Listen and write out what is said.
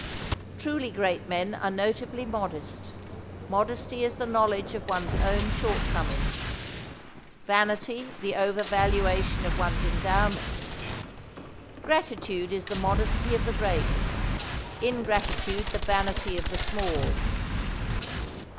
Truly great men are notably modest. Modesty is the knowledge of one's own shortcomings. Vanity, the overvaluation of one's endowments. Gratitude is the modesty of the great; ingratitude the vanity of the small.